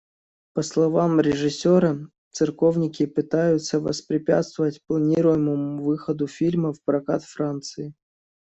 По словам режиссера, церковники пытаются воспрепятствовать планируемому выходу фильма в прокат Франции.